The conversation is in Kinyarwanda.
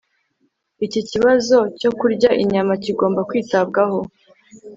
Iki kibazo cyo kurya inyama kigomba kwitabwaho